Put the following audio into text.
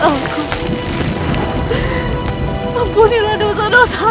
aku semua pengelola milik impactkan